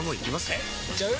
えいっちゃう？